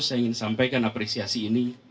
saya ingin sampaikan apresiasi ini